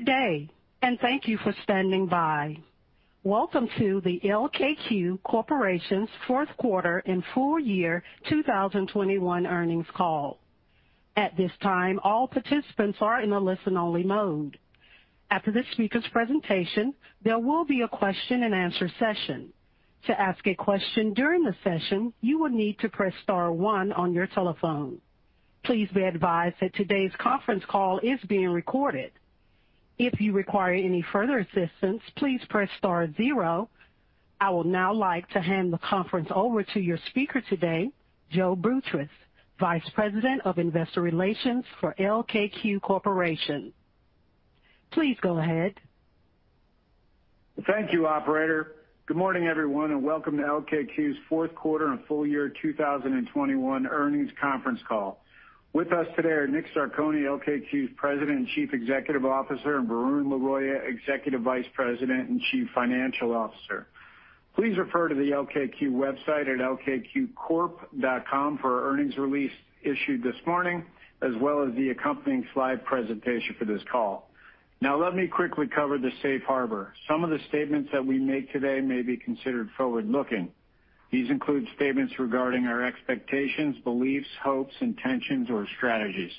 Good day, and thank you for standing by. Welcome to the LKQ Corporation's fourth quarter and full year 2021 earnings call. At this time, all participants are in a listen-only mode. After the speaker's presentation, there will be a question-and-answer session. To ask a question during the session, you will need to press star one on your telephone. Please be advised that today's conference call is being recorded. If you require any further assistance, please press star zero. I would now like to hand the conference over to your speaker today, Joe Boutross, Vice President of Investor Relations for LKQ Corporation. Please go ahead. Thank you, operator. Good morning, everyone, and welcome to LKQ's fourth quarter and full year 2021 earnings conference call. With us today are Nick Zarcone, LKQ's President and Chief Executive Officer, and Varun Laroyia, Executive Vice President and Chief Financial Officer. Please refer to the LKQ website at lkqcorp.com for our earnings release issued this morning, as well as the accompanying slide presentation for this call. Now, let me quickly cover the Safe Harbor. Some of the statements that we make today may be considered forward-looking. These include statements regarding our expectations, beliefs, hopes, intentions, or strategies.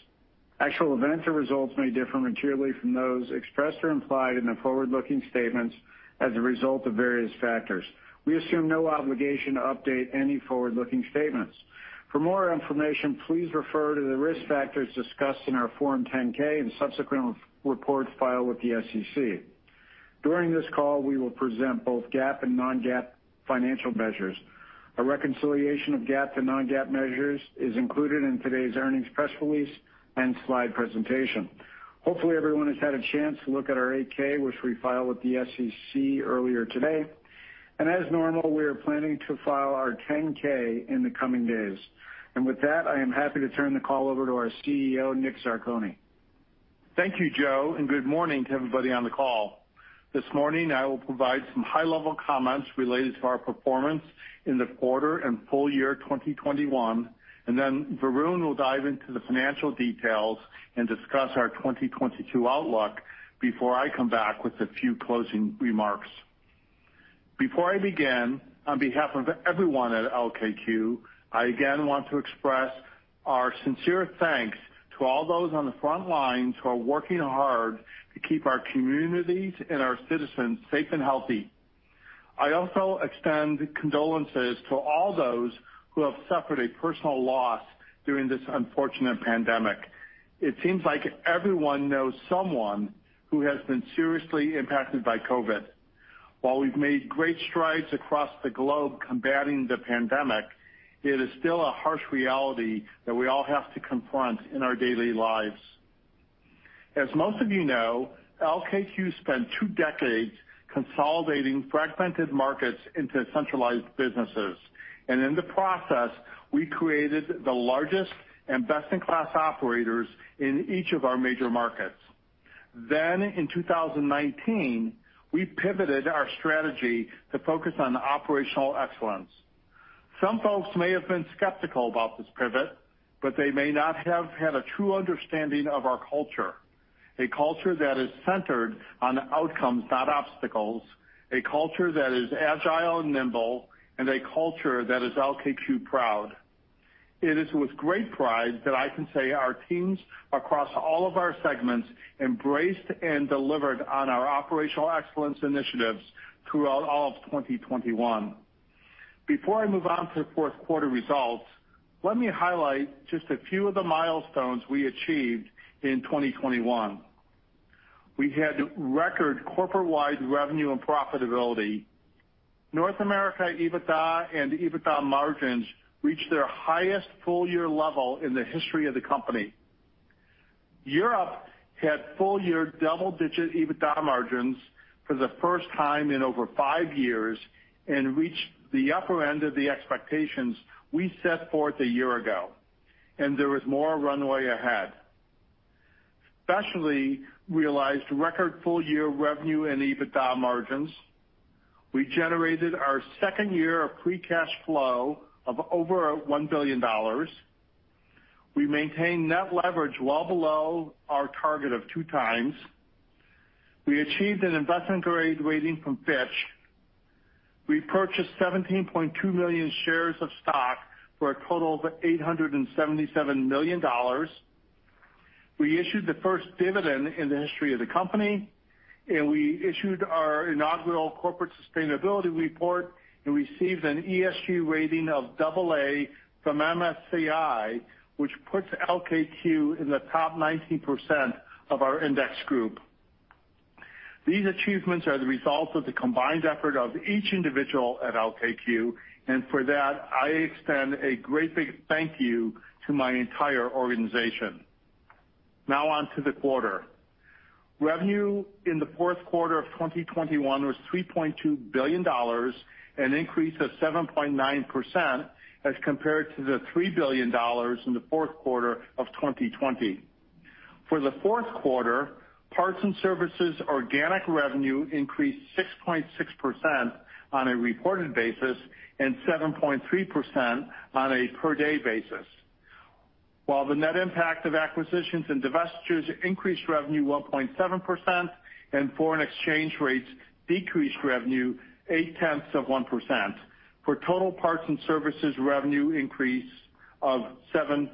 Actual events or results may differ materially from those expressed or implied in the forward-looking statements as a result of various factors. We assume no obligation to update any forward-looking statements. For more information, please refer to the risk factors discussed in our Form 10-K and subsequent reports filed with the SEC. During this call, we will present both GAAP and non-GAAP financial measures. A reconciliation of GAAP to non-GAAP measures is included in today's earnings press release and slide presentation. Hopefully, everyone has had a chance to look at our 8-K, which we filed with the SEC earlier today. As normal, we are planning to file our 10-K in the coming days. With that, I am happy to turn the call over to our CEO, Nick Zarcone. Thank you, Joe, and good morning to everybody on the call. This morning, I will provide some high-level comments related to our performance in the quarter and full year 2021, and then Varun will dive into the financial details and discuss our 2022 outlook before I come back with a few closing remarks. Before I begin, on behalf of everyone at LKQ, I again want to express our sincere thanks to all those on the front lines who are working hard to keep our communities and our citizens safe and healthy. I also extend condolences to all those who have suffered a personal loss during this unfortunate pandemic. It seems like everyone knows someone who has been seriously impacted by COVID. While we've made great strides across the globe combating the pandemic, it is still a harsh reality that we all have to confront in our daily lives. As most of you know, LKQ spent two decades consolidating fragmented markets into centralized businesses, and in the process, we created the largest and best-in-class operators in each of our major markets. In 2019, we pivoted our strategy to focus on operational excellence. Some folks may have been skeptical about this pivot, but they may not have had a true understanding of our culture, a culture that is centered on outcomes, not obstacles, a culture that is agile and nimble, and a culture that is LKQ proud. It is with great pride that I can say our teams across all of our segments embraced and delivered on our operational excellence initiatives throughout all of 2021. Before I move on to fourth quarter results, let me highlight just a few of the milestones we achieved in 2021. We had record corporate-wide revenue and profitability. North America EBITDA and EBITDA margins reached their highest full-year level in the history of the company. Europe had full-year double-digit EBITDA margins for the first time in over five years and reached the upper end of the expectations we set forth a year ago, and there was more runway ahead. Specialty realized record full-year revenue and EBITDA margins. We generated our second year of free cash flow of over $1 billion. We maintained net leverage well below our target of 2x. We achieved an investment-grade rating from Fitch. We purchased 17.2 million shares of stock for a total of $877 million. We issued the first dividend in the history of the company, and we issued our inaugural corporate sustainability report and received an ESG rating of double A from MSCI, which puts LKQ in the top 19% of our index group. These achievements are the result of the combined effort of each individual at LKQ. For that, I extend a great big thank you to my entire organization. Now on to the quarter. Revenue in the fourth quarter of 2021 was $3.2 billion, an increase of 7.9% as compared to the $3 billion in the fourth quarter of 2020. For the fourth quarter, parts and services organic revenue increased 6.6% on a reported basis and 7.3% on a per-day basis. While the net impact of acquisitions and divestitures increased revenue 1.7% and foreign exchange rates decreased revenue 0.8% for total parts and services revenue increase of 7.5%.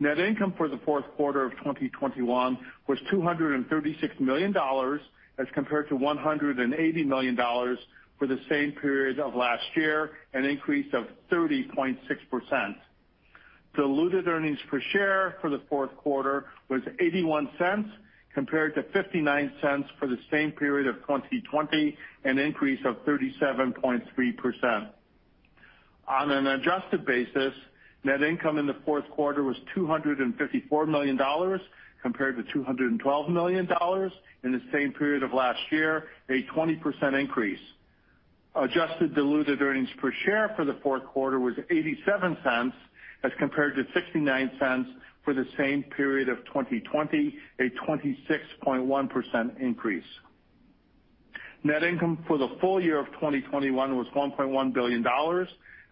Net income for the fourth quarter of 2021 was $236 million as compared to $180 million for the same period of last year, an increase of 30.6%. Diluted earnings per share for the fourth quarter was $0.81 compared to $0.59 for the same period of 2020, an increase of 37.3%. On an adjusted basis, net income in the fourth quarter was $254 million compared to $212 million in the same period of last year, a 20% increase. Adjusted diluted earnings per share for the fourth quarter was $0.87 as compared to $0.69 for the same period of 2020, a 26.1% increase. Net income for the full year of 2021 was $1.1 billion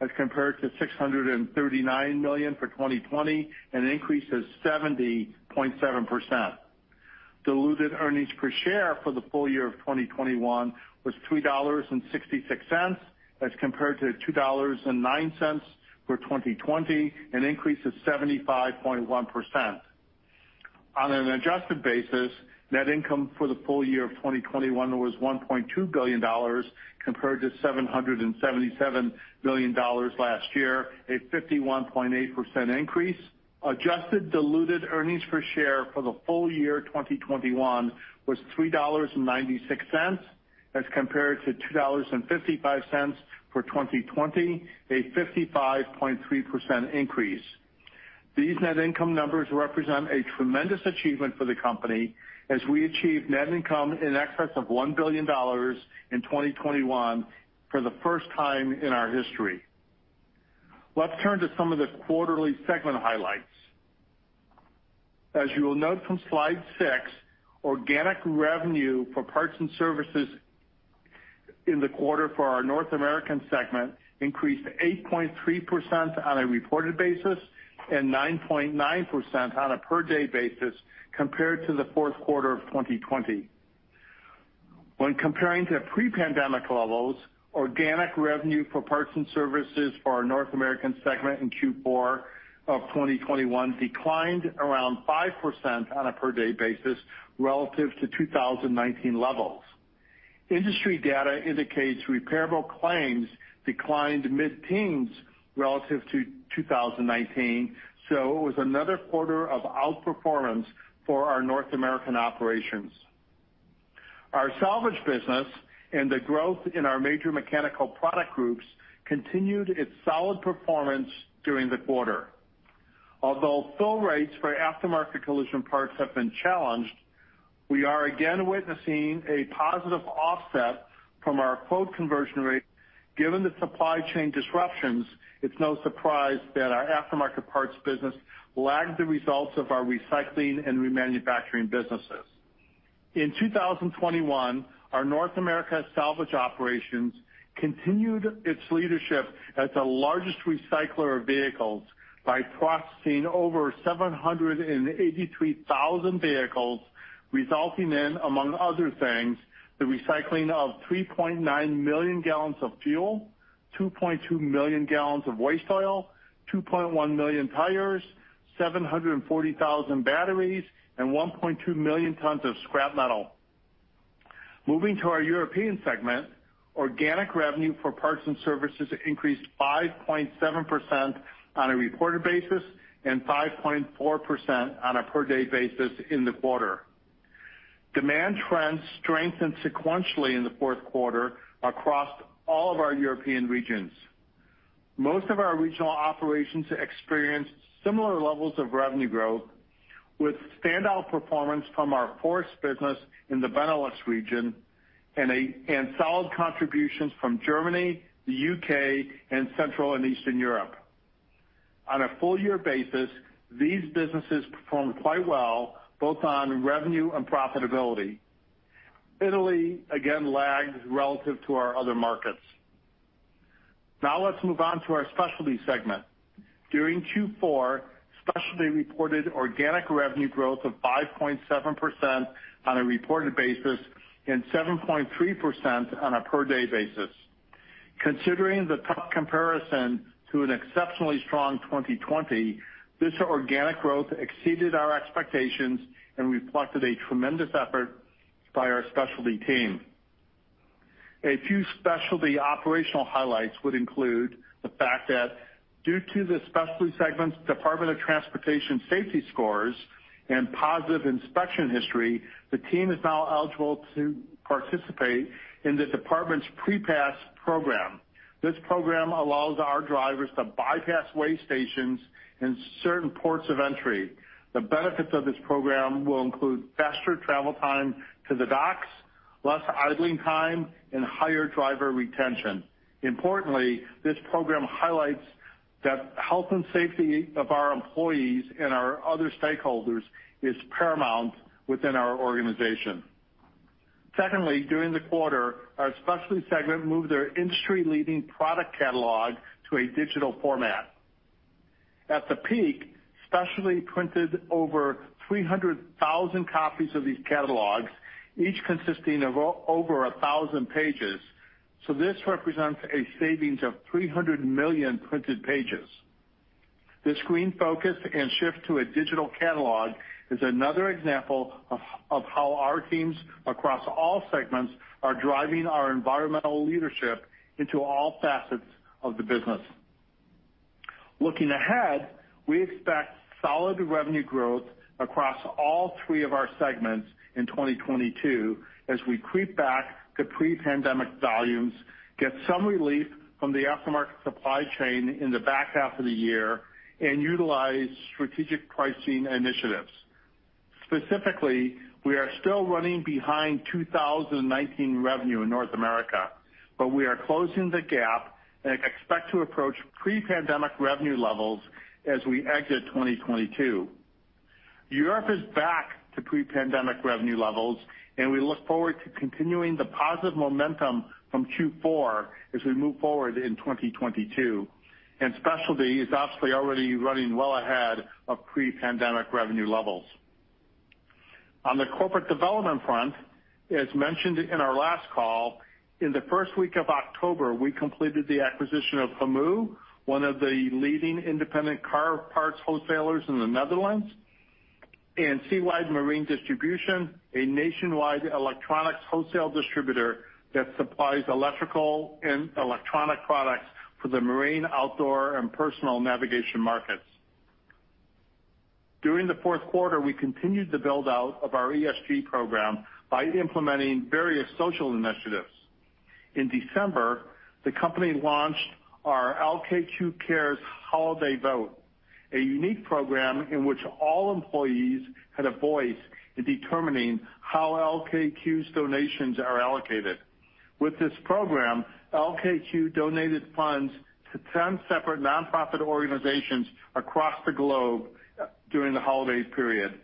as compared to $639 million for 2020, an increase of 70.7%. Diluted earnings per share for the full year of 2021 was $3.66 as compared to $2.09 for 2020, an increase of 75.1%. On an adjusted basis, net income for the full year of 2021 was $1.2 billion compared to $777 million last year, a 51.8% increase. Adjusted diluted earnings per share for the full year 2021 was $3.96 as compared to $2.55 for 2020, a 55.3% increase. These net income numbers represent a tremendous achievement for the company as we achieve net income in excess of $1 billion in 2021 for the first time in our history. Let's turn to some of the quarterly segment highlights. As you will note from slide six, organic revenue for parts and services in the quarter for our North American segment increased 8.3% on a reported basis and 9.9% on a per-day basis compared to the fourth quarter of 2020. When comparing to pre-pandemic levels, organic revenue for parts and services for our North American segment in Q4 of 2021 declined around 5% on a per-day basis relative to 2019 levels. Industry data indicates repairable claims declined mid-teens relative to 2019, so it was another quarter of outperformance for our North American operations. Our salvage business and the growth in our major mechanical product groups continued its solid performance during the quarter. Although fill rates for aftermarket collision parts have been challenged, we are again witnessing a positive offset from our quote conversion rate. Given the supply chain disruptions, it's no surprise that our aftermarket parts business lagged the results of our recycling and remanufacturing businesses. In 2021, our North America salvage operations continued its leadership as the largest recycler of vehicles by processing over 783,000 vehicles, resulting in, among other things, the recycling of 3.9 million gallons of fuel, 2.2 million gallons of waste oil, 2.1 million tires, 740,000 batteries, and 1.2 million tons of scrap metal. Moving to our European segment, organic revenue for parts and services increased 5.7% on a reported basis and 5.4% on a per-day basis in the quarter. Demand trends strengthened sequentially in the fourth quarter across all of our European regions. Most of our regional operations experienced similar levels of revenue growth, with standout performance from our Fource business in the Benelux region and solid contributions from Germany, the U.K., and Central and Eastern Europe. On a full year basis, these businesses performed quite well both on revenue and profitability. Italy again lagged relative to our other markets. Now let's move on to our Specialty segment. During Q4, Specialty reported organic revenue growth of 5.7% on a reported basis and 7.3% on a per-day basis. Considering the tough comparison to an exceptionally strong 2020, this organic growth exceeded our expectations, and we applaud the tremendous effort by our Specialty team. A few Specialty operational highlights would include the fact that due to the Specialty segment's Department of Transportation safety scores and positive inspection history, the team is now eligible to participate in the department's PrePass program. This program allows our drivers to bypass weigh stations in certain ports of entry. The benefits of this program will include faster travel time to the docks. Less idling time and higher driver retention. Importantly, this program highlights that health and safety of our employees and our other stakeholders is paramount within our organization. Secondly, during the quarter, our Specialty segment moved their industry-leading product catalog to a digital format. At the peak, Specialty printed over 300,000 copies of these catalogs, each consisting of over 1,000 pages, so this represents a savings of 300 million printed pages. This green focus and shift to a digital catalog is another example of how our teams across all segments are driving our environmental leadership into all facets of the business. Looking ahead, we expect solid revenue growth across all three of our segments in 2022 as we creep back to pre-pandemic volumes, get some relief from the aftermarket supply chain in the back half of the year, and utilize strategic pricing initiatives. Specifically, we are still running behind 2019 revenue in North America, but we are closing the gap and expect to approach pre-pandemic revenue levels as we exit 2022. Europe is back to pre-pandemic revenue levels, and we look forward to continuing the positive momentum from Q4 as we move forward in 2022. Specialty is obviously already running well ahead of pre-pandemic revenue levels. On the corporate development front, as mentioned in our last call, in the first week of October, we completed the acquisition of Hamu, one of the leading independent car parts wholesalers in the Netherlands, and SeaWide Marine Distribution, a nationwide electronics wholesale distributor that supplies electrical and electronic products for the marine, outdoor, and personal navigation markets. During the fourth quarter, we continued the build-out of our ESG program by implementing various social initiatives. In December, the company launched our LKQ Cares Holiday Vote, a unique program in which all employees had a voice in determining how LKQ's donations are allocated. With this program, LKQ donated funds to 10 separate nonprofit organizations across the globe during the holiday period.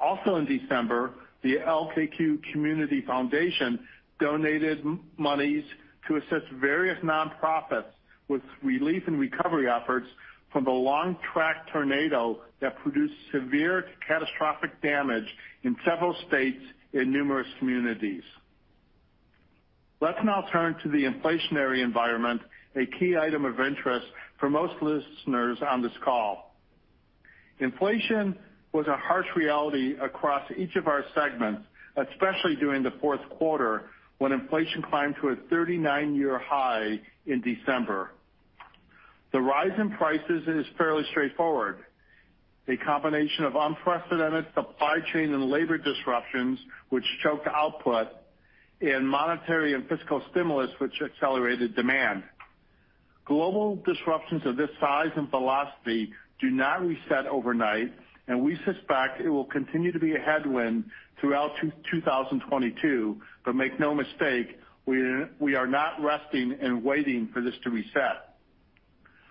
Also in December, the LKQ Community Foundation donated monies to assist various nonprofits with relief and recovery efforts from the long-track tornado that produced severe to catastrophic damage in several states in numerous communities. Let's now turn to the inflationary environment, a key item of interest for most listeners on this call. Inflation was a harsh reality across each of our segments, especially during the fourth quarter, when inflation climbed to a 39-year high in December. The rise in prices is fairly straightforward, a combination of unprecedented supply chain and labor disruptions, which choked output, and monetary and fiscal stimulus, which accelerated demand. Global disruptions of this size and velocity do not reset overnight, and we suspect it will continue to be a headwind throughout 2022, but make no mistake, we are not resting and waiting for this to reset.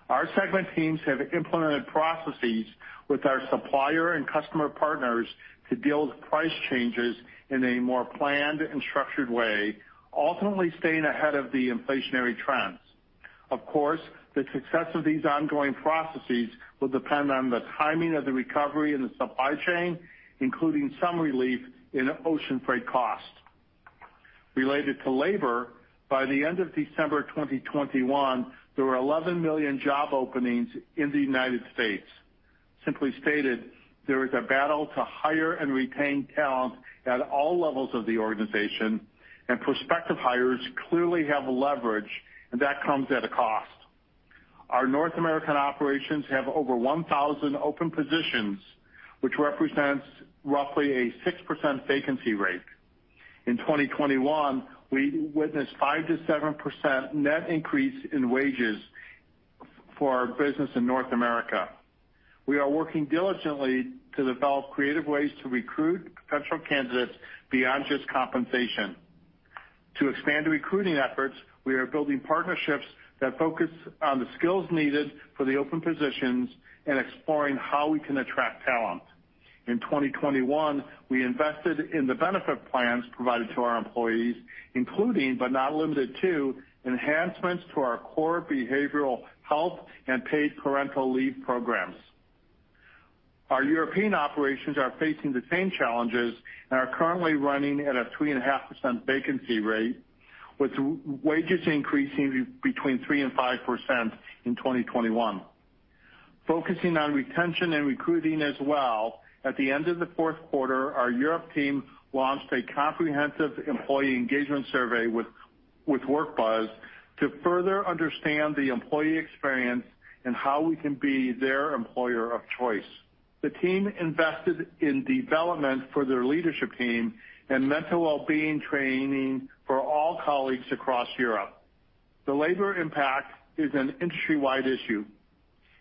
Our segment teams have implemented processes with our supplier and customer partners to deal with price changes in a more planned and structured way, ultimately staying ahead of the inflationary trends. Of course, the success of these ongoing processes will depend on the timing of the recovery in the supply chain, including some relief in ocean freight costs. Related to labor, by the end of December 2021, there were 11 million job openings in the United States. Simply stated, there is a battle to hire and retain talent at all levels of the organization, and prospective hires clearly have leverage, and that comes at a cost. Our North American operations have over 1,000 open positions, which represents roughly a 6% vacancy rate. In 2021, we witnessed 5%-7% net increase in wages for our business in North America. We are working diligently to develop creative ways to recruit potential candidates beyond just compensation. To expand recruiting efforts, we are building partnerships that focus on the skills needed for the open positions and exploring how we can attract talent. In 2021, we invested in the benefit plans provided to our employees, including, but not limited to, enhancements to our core behavioral health and paid parental leave programs. Our European operations are facing the same challenges and are currently running at a 3.5% vacancy rate, with wages increasing between 3%-5% in 2021. Focusing on retention and recruiting as well, at the end of the fourth quarter, our Europe team launched a comprehensive employee engagement survey with WorkBuzz to further understand the employee experience and how we can be their employer of choice. The team invested in development for their leadership team and mental well-being training. Colleagues across Europe. The labor impact is an industry-wide issue.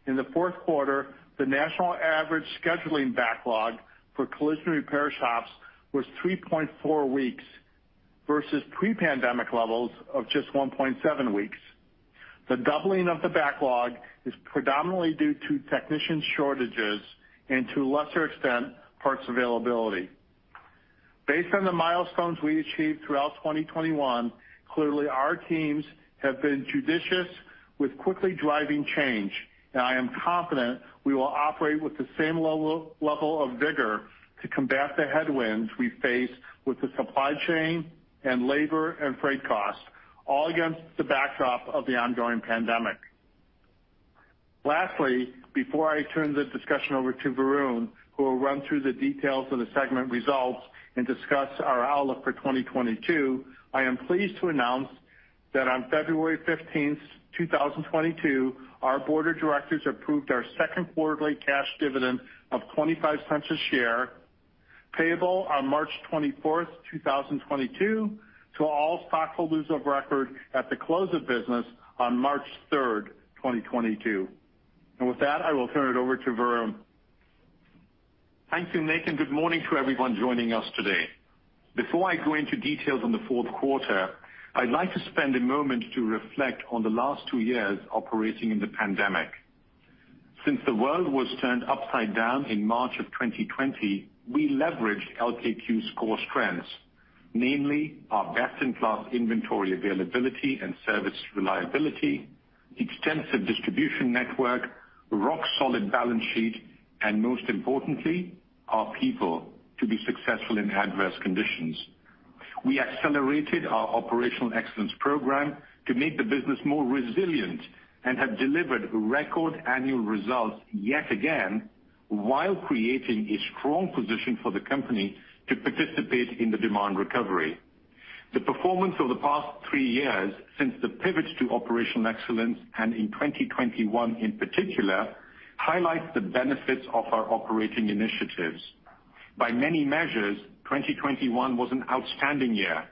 In the fourth quarter, the national average scheduling backlog for collision repair shops was 3.4 weeks versus pre-pandemic levels of just 1.7 weeks. The doubling of the backlog is predominantly due to technician shortages and to a lesser extent, parts availability. Based on the milestones we achieved throughout 2021, clearly our teams have been judicious with quickly driving change. I am confident we will operate with the same level of vigor to combat the headwinds we face with the supply chain and labor and freight costs, all against the backdrop of the ongoing pandemic. Lastly, before I turn the discussion over to Varun, who will run through the details of the segment results and discuss our outlook for 2022, I am pleased to announce that on February 15, 2022, our board of directors approved our second quarterly cash dividend of $0.25 a share, payable on March 24, 2022 to all stockholders of record at the close of business on March 3, 2022. With that, I will turn it over to Varun. Thank you, Nick. Good morning to everyone joining us today. Before I go into details on the fourth quarter, I'd like to spend a moment to reflect on the last two years operating in the pandemic. Since the world was turned upside down in March of 2020, we leveraged LKQ's core strengths, namely our best-in-class inventory availability and service reliability, extensive distribution network, rock-solid balance sheet, and most importantly, our people to be successful in adverse conditions. We accelerated our operational excellence program to make the business more resilient and have delivered record annual results yet again, while creating a strong position for the company to participate in the demand recovery. The performance of the past three years since the pivot to operational excellence, and in 2021 in particular, highlights the benefits of our operating initiatives. By many measures, 2021 was an outstanding year.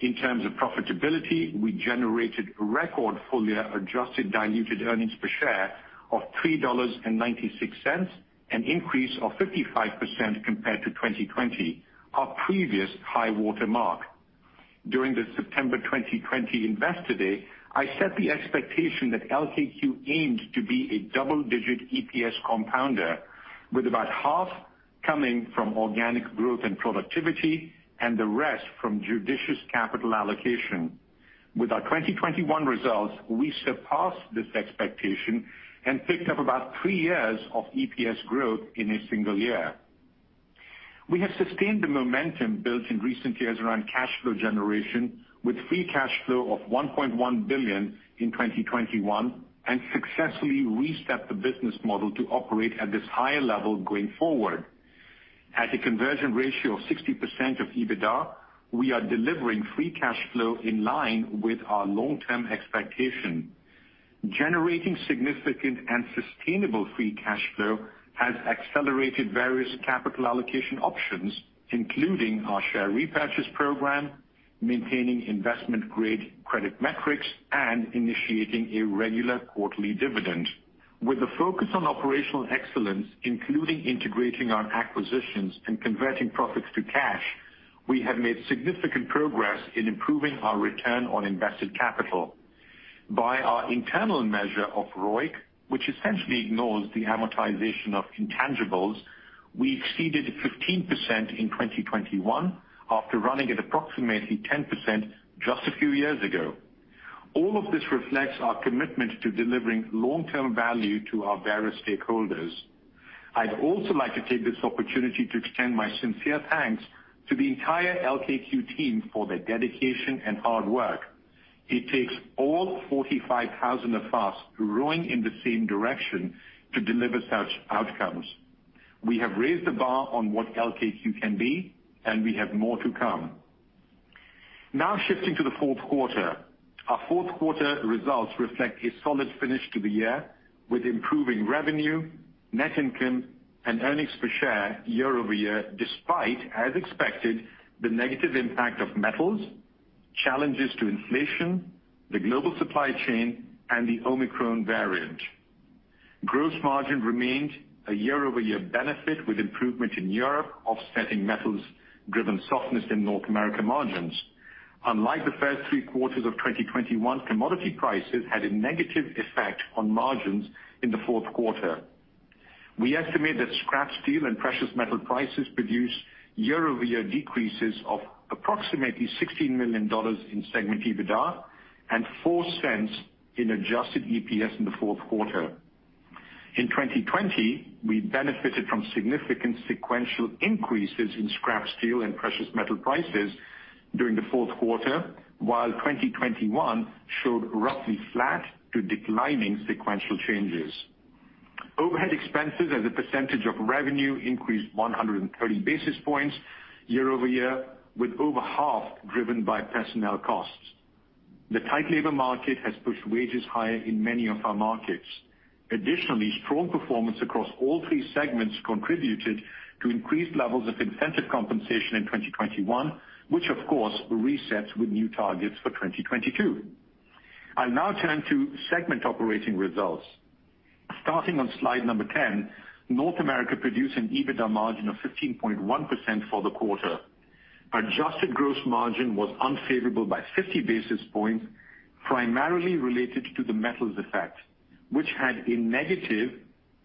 In terms of profitability, we generated record full year adjusted diluted earnings per share of $3.96, an increase of 55% compared to 2020, our previous high-water mark. During the September 2020 Investor Day, I set the expectation that LKQ aimed to be a double-digit EPS compounder, with about 1/2 coming from organic growth and productivity and the rest from judicious capital allocation. With our 2021 results, we surpassed this expectation and picked up about three years of EPS growth in a single year. We have sustained the momentum built in recent years around cash flow generation with free cash flow of $1.1 billion in 2021, and successfully reset the business model to operate at this higher level going forward. At a conversion ratio of 60% of EBITDA, we are delivering free cash flow in line with our long-term expectation. Generating significant and sustainable free cash flow has accelerated various capital allocation options, including our share repurchase program, maintaining investment-grade credit metrics, and initiating a regular quarterly dividend. With a focus on operational excellence, including integrating our acquisitions and converting profits to cash, we have made significant progress in improving our return on invested capital. By our internal measure of ROIC, which essentially ignores the amortization of intangibles, we exceeded 15% in 2021 after running at approximately 10% just a few years ago. All of this reflects our commitment to delivering long-term value to our various stakeholders. I'd also like to take this opportunity to extend my sincere thanks to the entire LKQ team for their dedication and hard work. It takes all 45,000 of us rowing in the same direction to deliver such outcomes. We have raised the bar on what LKQ can be, and we have more to come. Now shifting to the fourth quarter. Our fourth quarter results reflect a solid finish to the year with improving revenue, net income, and earnings per share year-over-year, despite, as expected, the negative impact of metals, challenges to inflation, the global supply chain, and the Omicron variant. Gross margin remained a year-over-year benefit, with improvement in Europe offsetting metals-driven softness in North America margins. Unlike the first three quarters of 2021, commodity prices had a negative effect on margins in the fourth quarter. We estimate that scrap steel and precious metal prices produced year-over-year decreases of approximately $16 million in segment EBITDA and $0.04 in adjusted EPS in the fourth quarter. In 2020, we benefited from significant sequential increases in scrap steel and precious metal prices during the fourth quarter, while 2021 showed roughly flat to declining sequential changes. Overhead expenses as a percentage of revenue increased 130 basis points year over year, with over half driven by personnel costs. The tight labor market has pushed wages higher in many of our markets. Additionally, strong performance across all three segments contributed to increased levels of incentive compensation in 2021, which of course resets with new targets for 2022. I'll now turn to segment operating results. Starting on slide 10, North America produced an EBITDA margin of 15.1% for the quarter. Adjusted gross margin was unfavorable by 50 basis points, primarily related to the metals effect, which had a negative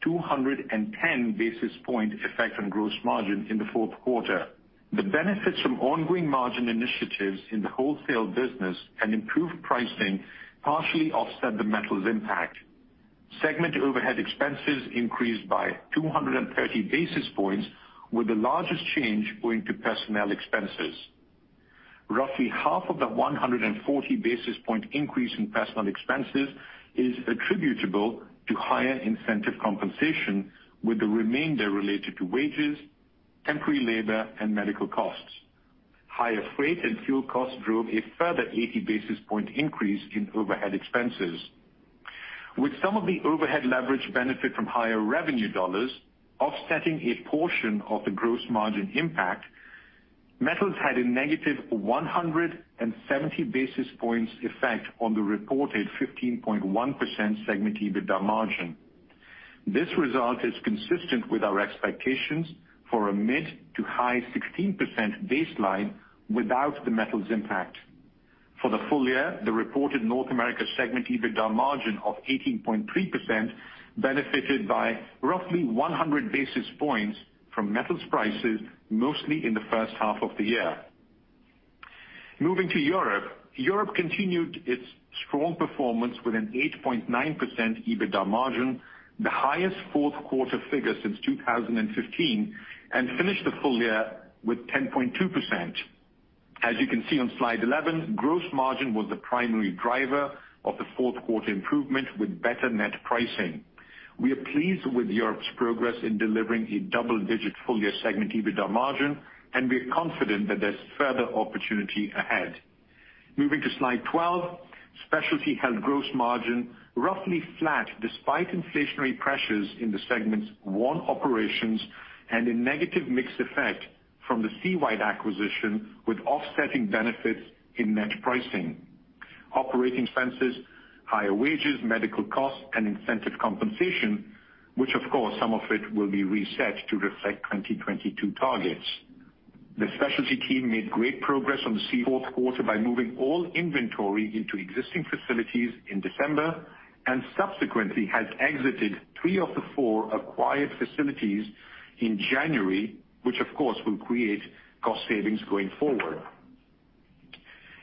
210 basis point effect on gross margin in the fourth quarter. The benefits from ongoing margin initiatives in the wholesale business and improved pricing partially offset the metals impact. Segment overhead expenses increased by 230 basis points, with the largest change owing to personnel expenses. Roughly half of the 140 basis point increase in personnel expenses is attributable to higher incentive compensation, with the remainder related to wages, temporary labor, and medical costs. Higher freight and fuel costs drove a further 80 basis point increase in overhead expenses. With some of the overhead leverage benefit from higher revenue dollars offsetting a portion of the gross margin impact, metals had a negative 170 basis points effect on the reported 15.1% segment EBITDA margin. This result is consistent with our expectations for a mid- to high-16% baseline without the metals impact. For the full year, the reported North America segment EBITDA margin of 18.3% benefited by roughly 100 basis points from metals prices, mostly in the first half of the year. Moving to Europe. Europe continued its strong performance with an 8.9% EBITDA margin, the highest fourth quarter figure since 2015, and finished the full year with 10.2%. As you can see on slide 11, gross margin was the primary driver of the fourth quarter improvement with better net pricing. We are pleased with Europe's progress in delivering a double-digit full-year segment EBITDA margin, and we are confident that there's further opportunity ahead. Moving to slide 12. Specialty held gross margin roughly flat despite inflationary pressures in the segment's PGW operations and a negative mix effect from the SeaWide acquisition, with offsetting benefits in net pricing. Operating expenses, higher wages, medical costs and incentive compensation, which of course, some of it will be reset to reflect 2022 targets. The Specialty team made great progress in the fourth quarter by moving all inventory into existing facilities in December, and subsequently has exited three of the four acquired facilities in January, which of course will create cost savings going forward.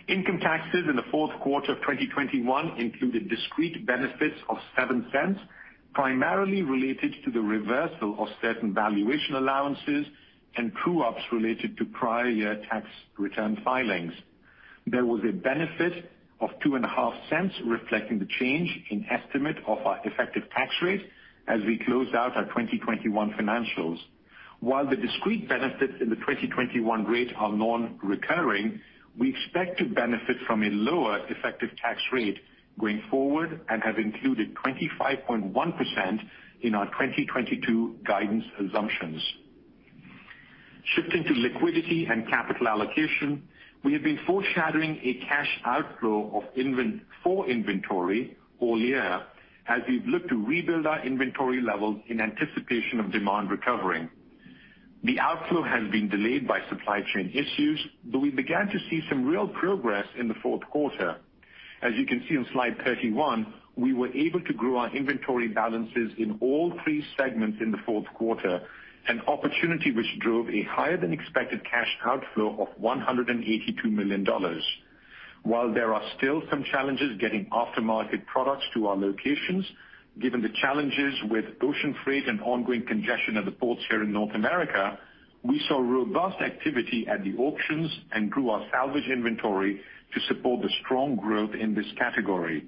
Income taxes in the fourth quarter of 2021 included discrete benefits of $0.07, primarily related to the reversal of certain valuation allowances and true-ups related to prior year tax return filings. There was a benefit of $0.025 reflecting the change in estimate of our effective tax rate as we closed out our 2021 financials. While the discrete benefits in the 2021 rate are non-recurring, we expect to benefit from a lower effective tax rate going forward and have included 25.1% in our 2022 guidance assumptions. Shifting to liquidity and capital allocation, we have been foreshadowing a cash outflow for inventory all year as we've looked to rebuild our inventory levels in anticipation of demand recovering. The outflow has been delayed by supply chain issues, but we began to see some real progress in the fourth quarter. As you can see on slide 31, we were able to grow our inventory balances in all three segments in the fourth quarter, an opportunity which drove a higher than expected cash outflow of $182 million. While there are still some challenges getting aftermarket products to our locations, given the challenges with ocean freight and ongoing congestion at the ports here in North America, we saw robust activity at the auctions and grew our salvage inventory to support the strong growth in this category.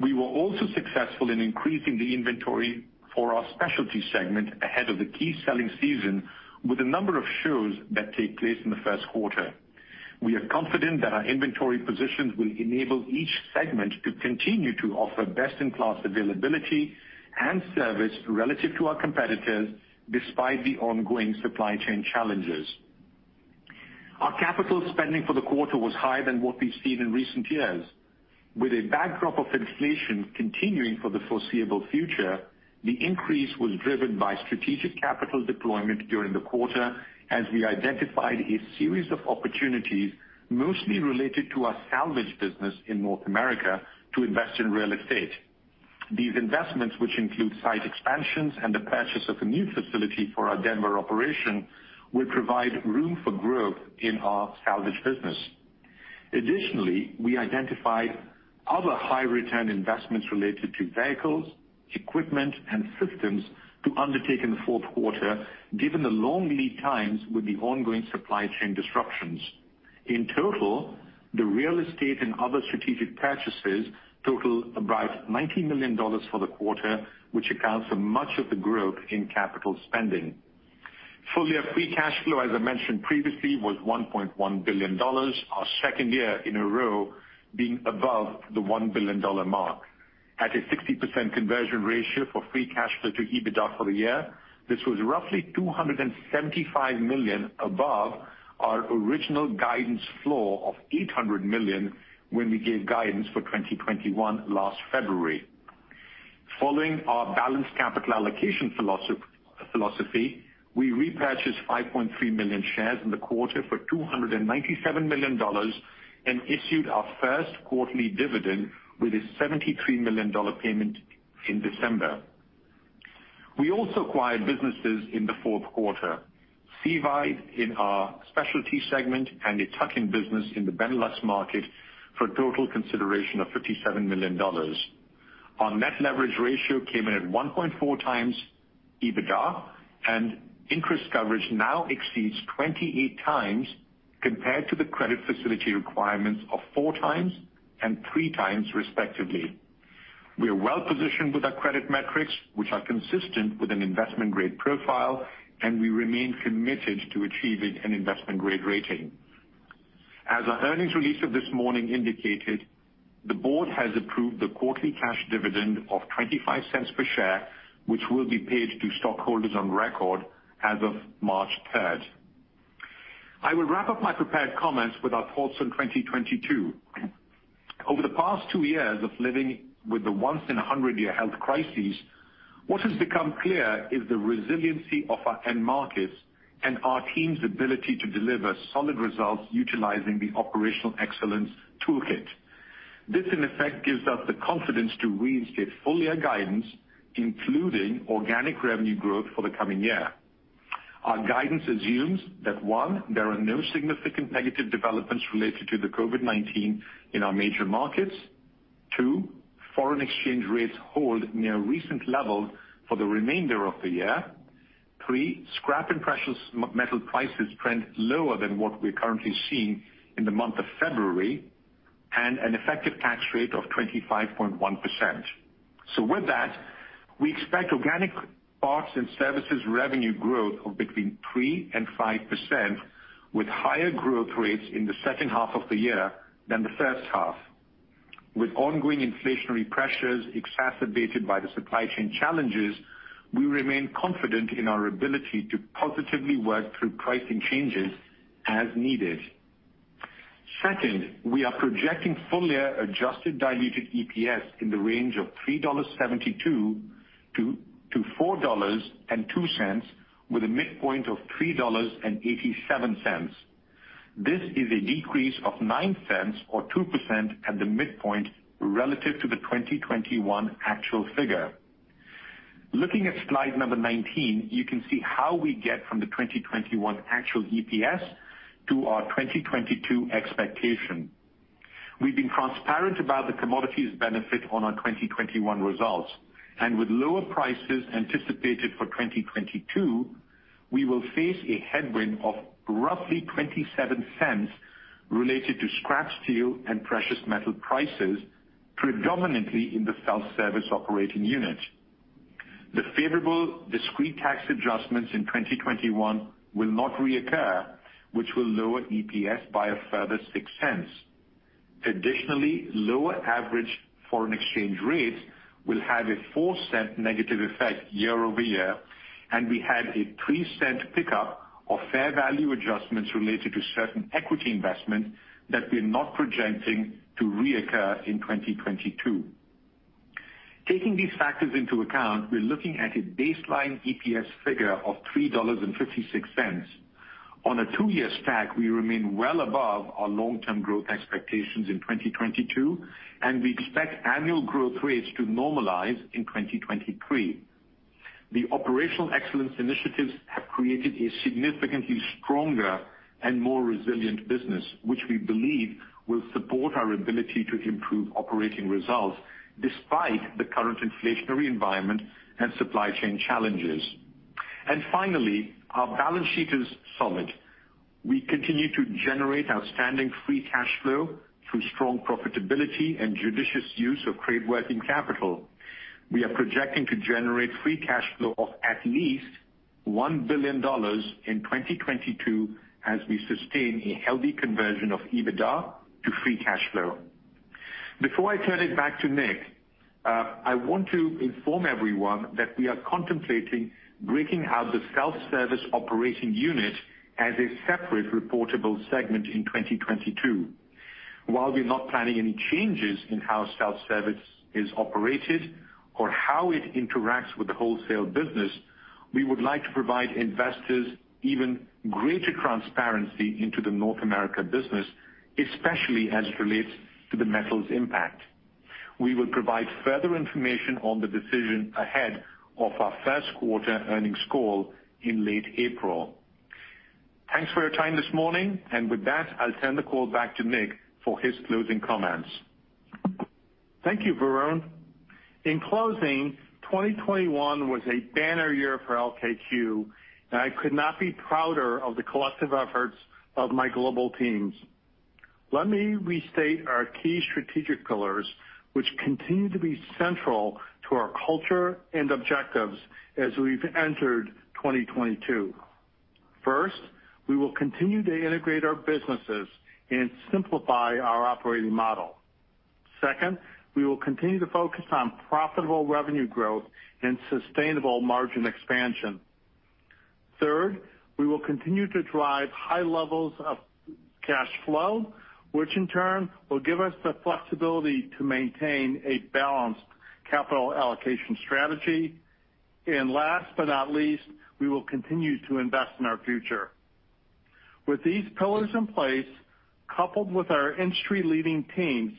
We were also successful in increasing the inventory for our Specialty segment ahead of the key selling season with a number of shows that take place in the first quarter. We are confident that our inventory positions will enable each segment to continue to offer best in class availability and service relative to our competitors despite the ongoing supply chain challenges. Our capital spending for the quarter was higher than what we've seen in recent years. With a backdrop of inflation continuing for the foreseeable future, the increase was driven by strategic capital deployment during the quarter as we identified a series of opportunities mostly related to our salvage business in North America to invest in real estate. These investments, which include site expansions and the purchase of a new facility for our Denver operation, will provide room for growth in our salvage business. Additionally, we identified other high return investments related to vehicles, equipment, and systems to undertake in the fourth quarter, given the long lead times with the ongoing supply chain disruptions. In total, the real estate and other strategic purchases total about $90 million for the quarter, which accounts for much of the growth in capital spending. Full-year free cash flow, as I mentioned previously, was $1.1 billion, our second year in a row being above the $1 billion mark. At a 60% conversion ratio for free cash flow to EBITDA for the year, this was roughly $275 million above our original guidance flow of $800 million when we gave guidance for 2021 last February. Following our balanced capital allocation philosophy, we repurchased 5.3 million shares in the quarter for $297 million and issued our first quarterly dividend with a $73 million payment in December. We also acquired businesses in the fourth quarter. SeaWide in our Specialty segment and a tuck-in business in the Benelux market for a total consideration of $57 million. Our net leverage ratio came in at 1.4x EBITDA, and interest coverage now exceeds 28x compared to the credit facility requirements of 4x and 3x, respectively. We are well-positioned with our credit metrics, which are consistent with an investment-grade profile, and we remain committed to achieving an investment-grade rating. As our earnings release of this morning indicated, the board has approved the quarterly cash dividend of $0.25 per share, which will be paid to stockholders on record as of March 3rd. I will wrap up my prepared comments with our thoughts on 2022. Over the past two years of living with the once-in-a-hundred-year health crisis, what has become clear is the resiliency of our end markets and our team's ability to deliver solid results utilizing the operational excellence toolkit. This, in effect, gives us the confidence to reinstate full-year guidance, including organic revenue growth for the coming year. Our guidance assumes that, one, there are no significant negative developments related to the COVID-19 in our major markets. Two, foreign exchange rates hold near recent levels for the remainder of the year. Three, scrap and precious metals prices trend lower than what we're currently seeing in the month of February, and an effective tax rate of 25.1%. With that, we expect organic parts and services revenue growth of between 3% and 5%, with higher growth rates in the second half of the year than the first half. With ongoing inflationary pressures exacerbated by the supply chain challenges, we remain confident in our ability to positively work through pricing changes as needed. Second, we are projecting full-year adjusted diluted EPS in the range of $3.72-$4.02, with a midpoint of $3.87. This is a decrease of $0.09 Or 2% at the midpoint relative to the 2021 actual figure. Looking at slide 19, you can see how we get from the 2021 actual EPS to our 2022 expectation. We've been transparent about the commodities benefit on our 2021 results. With lower prices anticipated for 2022, we will face a headwind of roughly $0.27 Related to scrap steel and precious metal prices, predominantly in the self-service operating unit. The favorable discrete tax adjustments in 2021 will not reoccur, which will lower EPS by a further $0.06. Additionally, lower average foreign exchange rates will have a $0.04 negative effect year-over-year, and we had a $0.03 pickup of fair value adjustments related to certain equity investments that we're not projecting to reoccur in 2022. Taking these factors into account, we're looking at a baseline EPS figure of $3.56. On a two-year stack, we remain well above our long-term growth expectations in 2022, and we expect annual growth rates to normalize in 2023. The operational excellence initiatives have created a significantly stronger and more resilient business, which we believe will support our ability to improve operating results despite the current inflationary environment and supply chain challenges. Finally, our balance sheet is solid. We continue to generate outstanding free cash flow through strong profitability and judicious use of trade working capital. We are projecting to generate free cash flow of at least $1 billion in 2022 as we sustain a healthy conversion of EBITDA to free cash flow. Before I turn it back to Nick, I want to inform everyone that we are contemplating breaking out the self-service operating unit as a separate reportable segment in 2022. While we're not planning any changes in how self-service is operated or how it interacts with the wholesale business, we would like to provide investors even greater transparency into the North America business, especially as it relates to the metals impact. We will provide further information on the decision ahead of our first quarter earnings call in late April. Thanks for your time this morning. With that, I'll turn the call back to Nick for his closing comments. Thank you, Varun. In closing, 2021 was a banner year for LKQ, and I could not be prouder of the collective efforts of my global teams. Let me restate our key strategic pillars, which continue to be central to our culture and objectives as we've entered 2022. First, we will continue to integrate our businesses and simplify our operating model. Second, we will continue to focus on profitable revenue growth and sustainable margin expansion. Third, we will continue to drive high levels of cash flow, which in turn will give us the flexibility to maintain a balanced capital allocation strategy. Last but not least, we will continue to invest in our future. With these pillars in place, coupled with our industry-leading teams,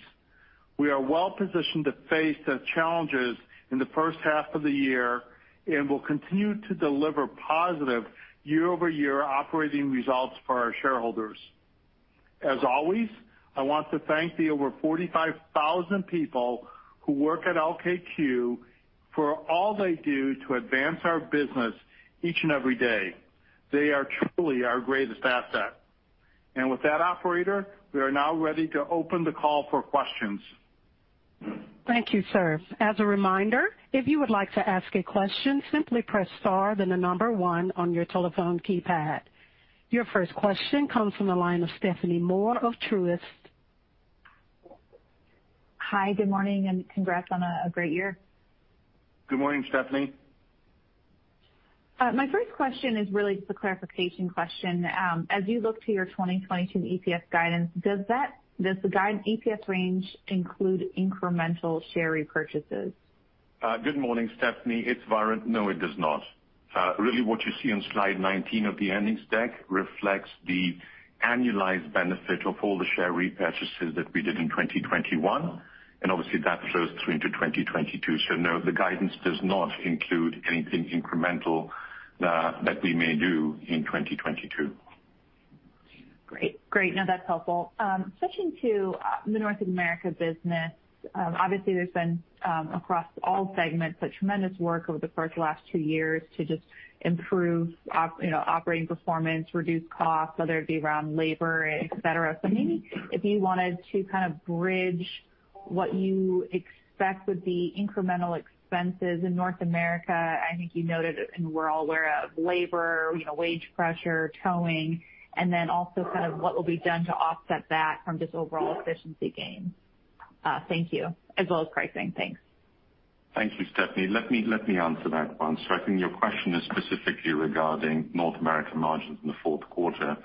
we are well-positioned to face the challenges in the first half of the year and will continue to deliver positive year-over-year operating results for our shareholders. As always, I want to thank the over 45,000 people who work at LKQ for all they do to advance our business each and every day. They are truly our greatest asset. With that, operator, we are now ready to open the call for questions. Thank you, sir. As a reminder, if you would like to ask a question, simply press star then the number one on your telephone keypad. Your first question comes from the line of Stephanie Moore of Truist. Hi, good morning and congrats on a great year. Good morning, Stephanie. My first question is really just a clarification question. As you look to your 2022 EPS guidance, does the guide EPS range include incremental share repurchases? Good morning, Stephanie. It's Varun. No, it does not. Really what you see on slide 19 of the earnings deck reflects the annualized benefit of all the share repurchases that we did in 2021. Obviously that flows through into 2022. No, the guidance does not include anything incremental that we may do in 2022. Great. No, that's helpful. Switching to the North America business. Obviously there's been across all segments a tremendous work over the past two years to just improve operating performance, reduce costs, whether it be around labor, et cetera. Maybe if you wanted to kind of bridge what you expect would be incremental expenses in North America. I think you noted and we're all aware of labor, you know, wage pressure, towing. Then also kind of what will be done to offset that from just overall efficiency gains. Thank you. As well as pricing. Thanks. Thank you, Stephanie. Let me answer that one. I think your question is specifically regarding North America margins in the fourth quarter.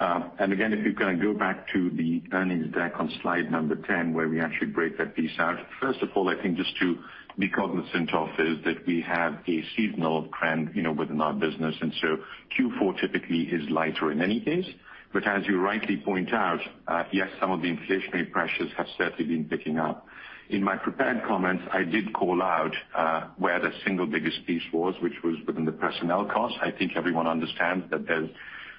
Again, if you kinda go back to the earnings deck on slide number 10, where we actually break that piece out. First of all, I think just to be cognizant of is that we have a seasonal trend, you know, within our business. Q4 typically is lighter in any case. As you rightly point out, yes, some of the inflationary pressures have certainly been picking up. In my prepared comments, I did call out where the single biggest piece was, which was within the personnel costs. I think everyone understands that there's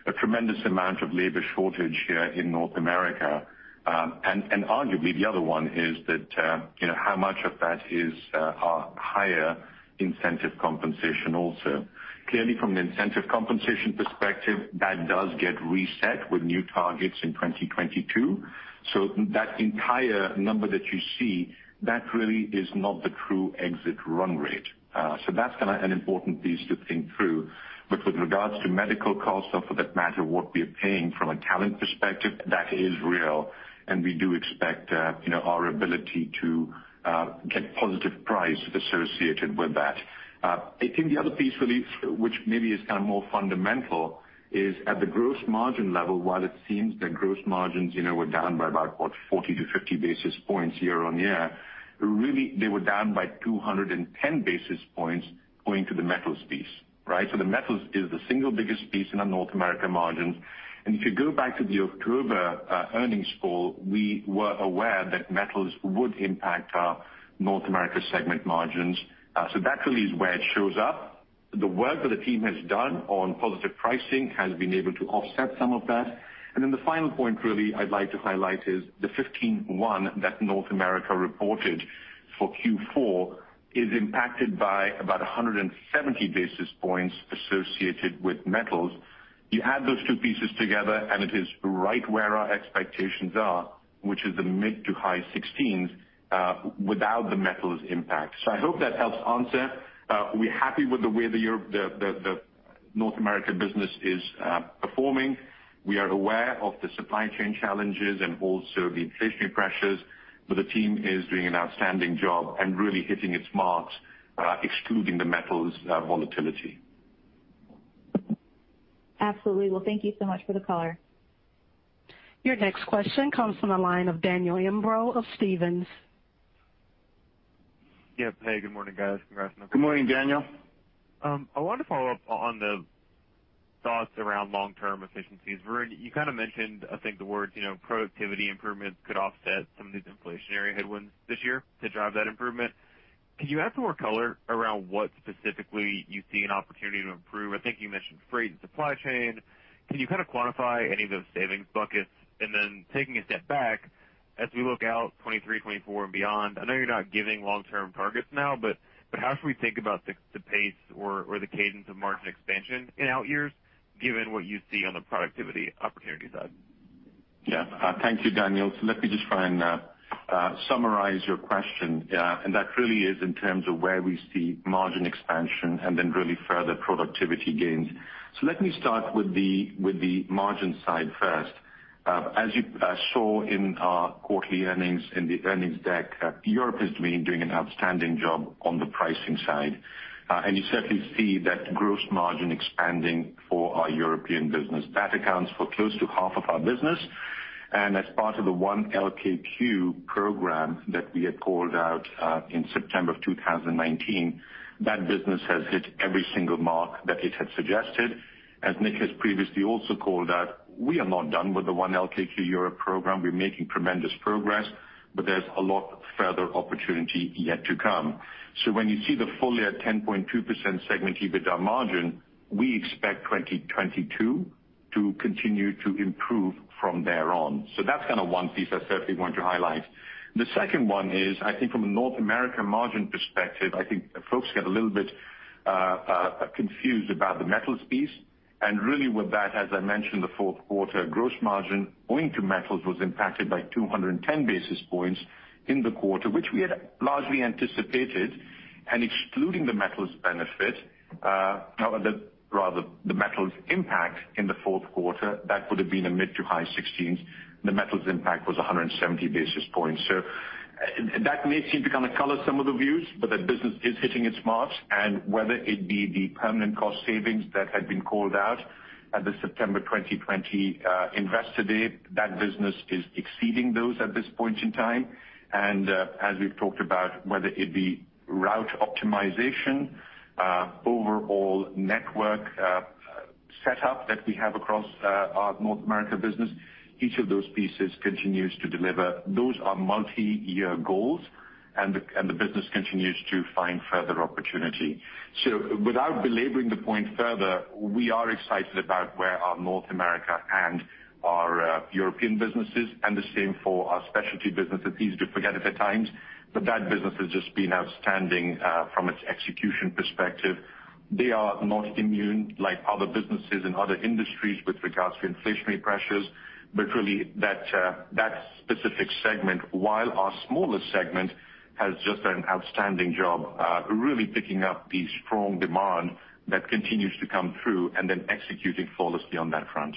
a tremendous amount of labor shortage here in North America. Arguably the other one is that, you know, how much of that is our higher incentive compensation also. Clearly, from an incentive compensation perspective, that does get reset with new targets in 2022. That entire number that you see, that really is not the true exit run rate. That's kinda an important piece to think through. But with regards to medical costs or for that matter, what we are paying from a talent perspective, that is real, and we do expect, you know, our ability to get positive price associated with that. I think the other piece really, which maybe is kind of more fundamental, is at the gross margin level, while it seems that gross margins, you know, were down by about, what, 40-50 basis points year-over-year, really they were down by 210 basis points according to the metals piece, right? The metals is the single biggest piece in our North America margins. If you go back to the October earnings call, we were aware that metals would impact our North America segment margins. That really is where it shows up. The work that the team has done on positive pricing has been able to offset some of that. The final point really I'd like to highlight is the 15.1 that North America reported for Q4 is impacted by about 170 basis points associated with metals. You add those two pieces together, and it is right where our expectations are, which is the mid- to high-16%, without the metals impact. I hope that helps answer. We're happy with the way the North America business is performing. We are aware of the supply chain challenges and also the inflationary pressures, but the team is doing an outstanding job and really hitting its marks, excluding the metals volatility. Absolutely. Well, thank you so much for the color. Your next question comes from the line of Daniel Imbro of Stephens. Yep. Hey, good morning, guys. Congrats on- Good morning, Daniel. I wanted to follow up on the thoughts around long-term efficiencies. Varun, you kinda mentioned, I think the words, you know, productivity improvements could offset some of these inflationary headwinds this year to drive that improvement. Can you add some more color around what specifically you see an opportunity to improve? I think you mentioned freight and supply chain. Can you kinda quantify any of those savings buckets? Taking a step back. As we look out 2023, 2024 and beyond, I know you're not giving long-term targets now, but how should we think about the pace or the cadence of margin expansion in out years given what you see on the productivity opportunity side? Yeah. Thank you, Daniel. Let me just try and summarize your question. That really is in terms of where we see margin expansion and then really further productivity gains. Let me start with the margin side first. As you saw in our quarterly earnings in the earnings deck, Europe has been doing an outstanding job on the pricing side. You certainly see that gross margin expanding for our European business. That accounts for close to half of our business. As part of the 1LKQ program that we had called out in September of 2019, that business has hit every single mark that it had suggested. As Nick has previously also called out, we are not done with the 1LKQ Europe program. We're making tremendous progress, but there's a lot further opportunity yet to come. When you see the full-year 10.2% segment EBITDA margin, we expect 2022 to continue to improve from there on. That's kind of one piece I certainly want to highlight. The second one is, I think from a North America margin perspective, I think folks get a little bit confused about the metals piece. Really with that, as I mentioned, the fourth quarter gross margin owing to metals was impacted by 210 basis points in the quarter, which we had largely anticipated. Excluding the metals impact in the fourth quarter, that would have been a mid- to high-16s. The metals impact was 170 basis points. That may seem to kind of color some of the views, but that business is hitting its marks. Whether it be the permanent cost savings that had been called out at the September 2020 Investor Day, that business is exceeding those at this point in time. As we've talked about, whether it be route optimization, overall network setup that we have across our North America business, each of those pieces continues to deliver. Those are multiyear goals, and the business continues to find further opportunity. Without belaboring the point further, we are excited about where our North America and our European businesses and the same for our Specialty businesses. Easy to forget at times, but that business has just been outstanding from its execution perspective. They are not immune like other businesses in other industries with regards to inflationary pressures. Really that specific segment, while our smallest segment, has just done an outstanding job, really picking up the strong demand that continues to come through and then executing flawlessly on that front.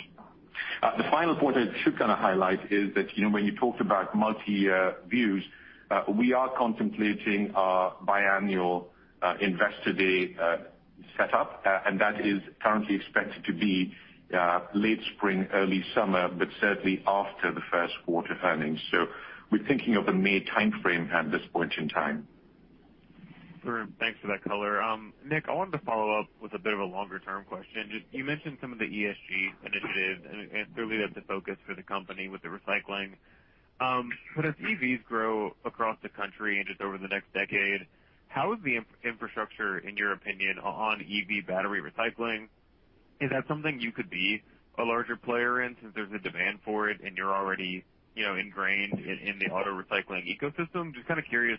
The final point I should kind of highlight is that, you know, when you talked about multiyear views, we are contemplating our biannual Investor Day setup, and that is currently expected to be late spring, early summer, but certainly after the first quarter earnings. We're thinking of a May timeframe at this point in time. Sure. Thanks for that color. Nick, I wanted to follow up with a bit of a longer-term question. Just you mentioned some of the ESG initiatives, and certainly that's a focus for the company with the recycling. But as EVs grow across the country and just over the next decade, how is the infrastructure, in your opinion, on EV battery recycling? Is that something you could be a larger player in since there's a demand for it and you're already, you know, ingrained in the auto recycling ecosystem? Just kind of curious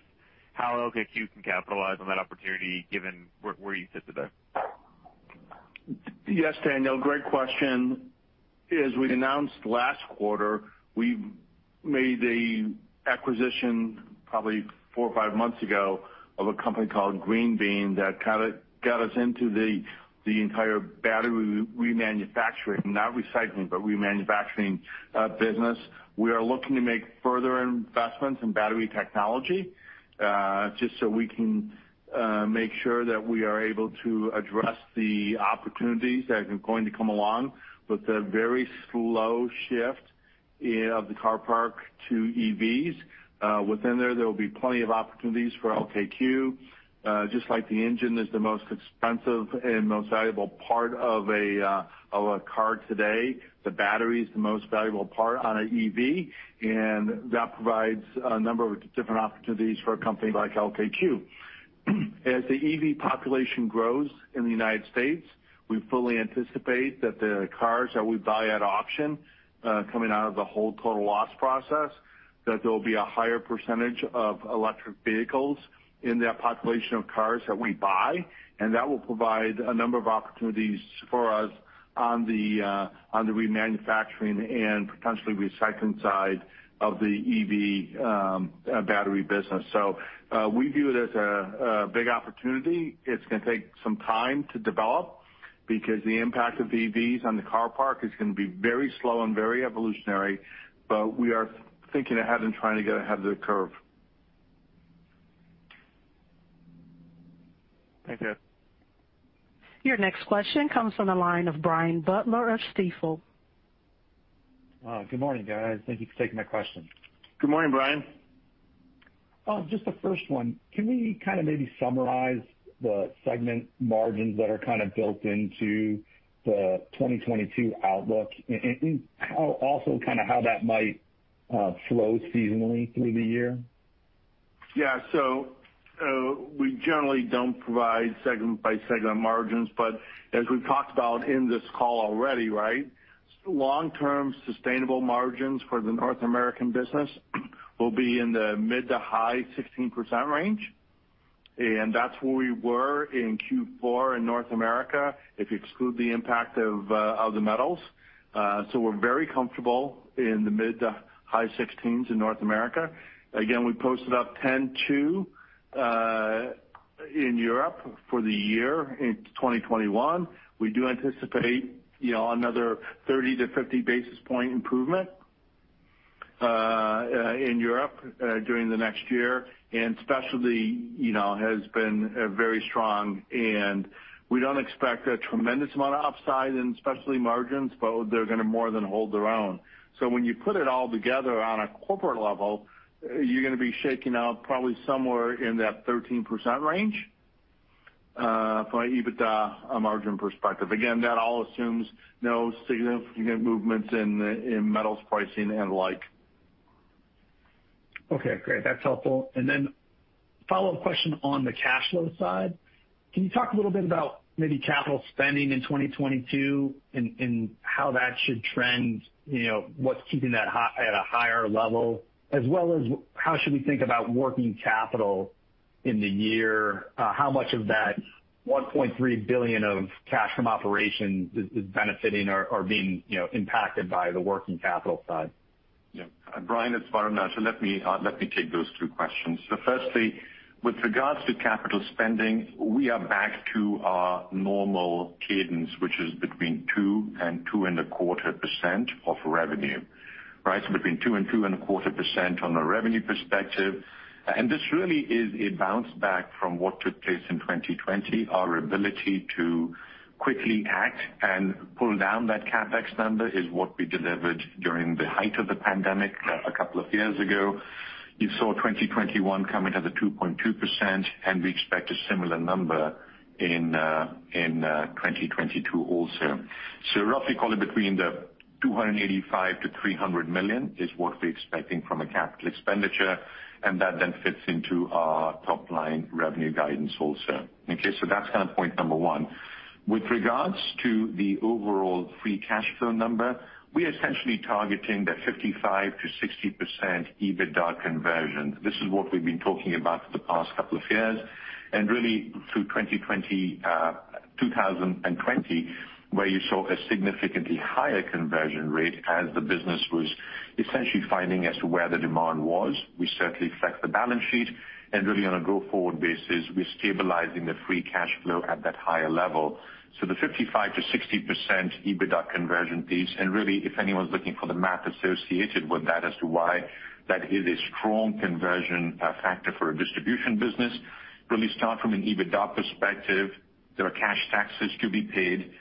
how LKQ can capitalize on that opportunity given where you sit today. Yes, Daniel, great question. As we announced last quarter, we made the acquisition probably four or five months ago of a company called Green Bean that kind of got us into the entire battery remanufacturing, not recycling, but remanufacturing, business. We are looking to make further investments in battery technology, just so we can make sure that we are able to address the opportunities that are going to come along with a very slow shift of the car park to EVs. Within there will be plenty of opportunities for LKQ. Just like the engine is the most expensive and most valuable part of a car today, the battery is the most valuable part on a EV, and that provides a number of different opportunities for a company like LKQ. As the EV population grows in the United States, we fully anticipate that the cars that we buy at auction, coming out of the whole total loss process, that there will be a higher percentage of electric vehicles in that population of cars that we buy, and that will provide a number of opportunities for us on the remanufacturing and potentially recycling side of the EV battery business. We view it as a big opportunity. It's gonna take some time to develop because the impact of EVs on the car park is gonna be very slow and very evolutionary, but we are thinking ahead and trying to get ahead of the curve. Thank you. Your next question comes from the line of Brian Butler of Stifel. Good morning, guys. Thank you for taking my question. Good morning, Brian. Just the first one. Can we kind of maybe summarize the segment margins that are kind of built into the 2022 outlook and also kind of how that might flow seasonally through the year? Yeah. We generally don't provide segment by segment margins, but as we've talked about in this call already, right? Long-term sustainable margins for the North America business will be in the mid- to high-16% range, and that's where we were in Q4 in North America, if you exclude the impact of the metals. So we're very comfortable in the mid- to high-16% in North America. Again, we posted up 10.2 in Europe for the year in 2021. We do anticipate, you know, another 30- to 50 basis point improvement in Europe during the next year. Specialty, you know, has been very strong, and we don't expect a tremendous amount of upside in Specialty margins, but they're gonna more than hold their own. When you put it all together on a corporate level, you're gonna be shaking out probably somewhere in that 13% range, from an EBITDA margin perspective. Again, that all assumes no significant movements in metals pricing and the like. Okay, great. That's helpful. Then follow-up question on the cash flow side. Can you talk a little bit about maybe capital spending in 2022 and how that should trend? You know, what's keeping that high at a higher level? As well as how should we think about working capital in the year? How much of that $1.3 billion of cash from operations is benefiting or being, you know, impacted by the working capital side? Yeah. Brian, it's Varun. Let me take those two questions. Firstly, with regards to capital spending, we are back to our normal cadence, which is between 2%-2.25% of revenue, right? Between 2%-2.25% on a revenue perspective. This really is a bounce back from what took place in 2020. Our ability to quickly act and pull down that CapEx number is what we delivered during the height of the pandemic a couple of years ago. You saw 2021 coming to the 2.2%, and we expect a similar number in 2022 also. Roughly call it between $285 million-$300 million is what we're expecting from a capital expenditure, and that then fits into our top line revenue guidance also. Okay? That's kind of point number one. With regards to the overall free cash flow number, we're essentially targeting the 55%-60% EBITDA conversion. This is what we've been talking about for the past couple of years, and really through 2020, where you saw a significantly higher conversion rate as the business was essentially finding out where the demand was. We certainly flex the balance sheet. Really on a go-forward basis, we're stabilizing the free cash flow at that higher level. The 55%-60% EBITDA conversion piece, and really if anyone's looking for the math associated with that as to why that is a strong conversion factor for a distribution business, really start from an EBITDA perspective. There are cash taxes to be paid.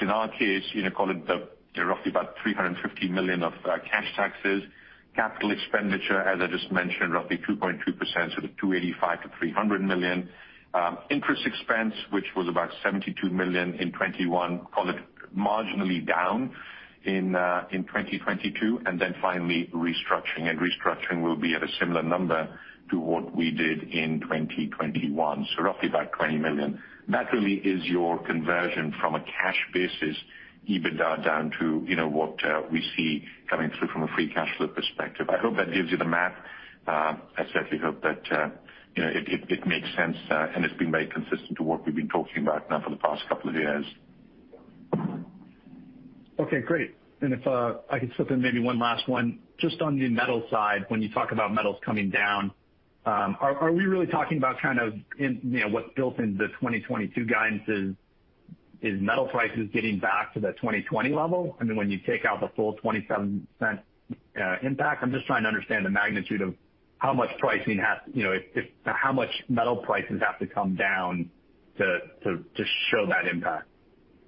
In our case, call it the roughly about $350 million of cash taxes. Capital expenditure, as I just mentioned, roughly 2.2%, so the $285 million-$300 million. Interest expense, which was about $72 million in 2021, call it marginally down in 2022. Then finally, restructuring. Restructuring will be at a similar number to what we did in 2021, so roughly about $20 million. That really is your conversion from a cash basis EBITDA down to, you know, what, we see coming through from a free cash flow perspective. I hope that gives you the math. I certainly hope that, you know, it makes sense, and it's been very consistent to what we've been talking about now for the past couple of years. Okay, great. If I could slip in maybe one last one. Just on the metal side, when you talk about metals coming down, are we really talking about kind of, you know, what's built into the 2022 guidance is metal prices getting back to the 2020 level? I mean, when you take out the full 27% impact. I'm just trying to understand the magnitude of how much, you know, metal prices have to come down to show that impact.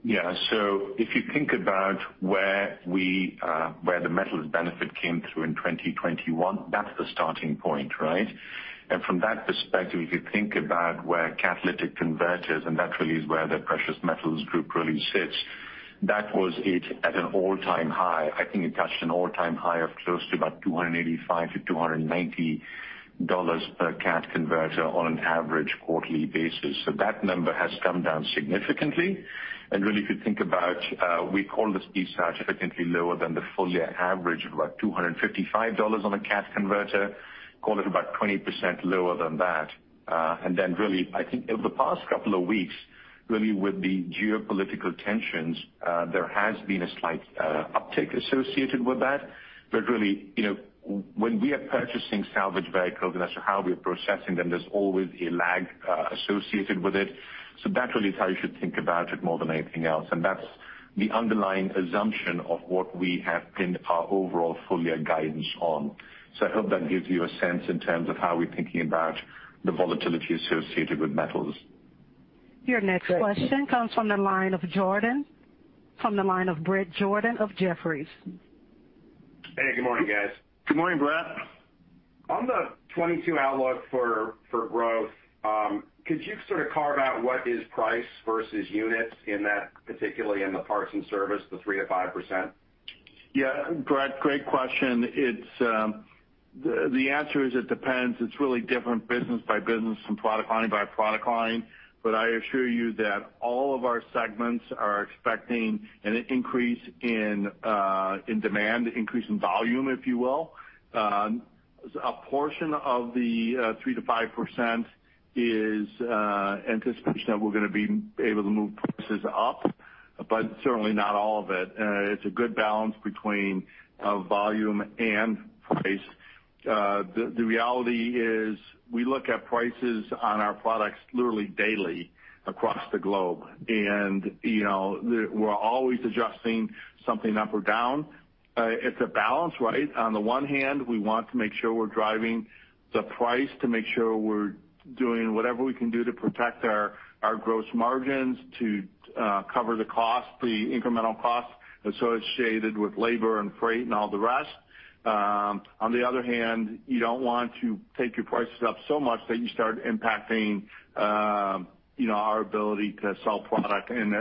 Yeah. If you think about where the metals benefit came through in 2021, that's the starting point, right? From that perspective, if you think about catalytic converters, and that really is where the Precious Metals group really sits, that was at an all-time high. I think it touched an all-time high of close to about $285-$290 per cat converter on an average quarterly basis. That number has come down significantly. Really, if you think about, we call this piece significantly lower than the full year average of about $255 on a cat converter, call it about 20% lower than that. Really, I think over the past couple of weeks, really with the geopolitical tensions, there has been a slight uptick associated with that. Really, you know, when we are purchasing salvage vehicles, and that's how we're processing them, there's always a lag associated with it. That really is how you should think about it more than anything else, and that's the underlying assumption of what we have pinned our overall full year guidance on. I hope that gives you a sense in terms of how we're thinking about the volatility associated with metals. Great. Your next question comes from the line of Jordan. From the line of Bret Jordan of Jefferies. Hey, good morning, guys. Good morning, Bret. On the 2022 outlook for growth, could you sort of carve out what is price versus units in that, particularly in the parts and service, the 3%-5%? Yeah, Bret, great question. The answer is it depends. It's really different business by business and product line by product line. I assure you that all of our segments are expecting an increase in demand, increase in volume, if you will. A portion of the 3%-5% is anticipation that we're gonna be able to move prices up, but certainly not all of it. It's a good balance between volume and price. The reality is we look at prices on our products literally daily across the globe. You know, we're always adjusting something up or down. It's a balance, right? On the one hand, we want to make sure we're driving the price to make sure we're doing whatever we can do to protect our gross margins to cover the cost, the incremental cost associated with labor and freight and all the rest. On the other hand, you don't want to take your prices up so much that you start impacting, you know, our ability to sell product and